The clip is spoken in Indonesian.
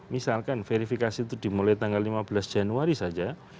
misalkan verifikasi itu dimulai tanggal lima belas januari saja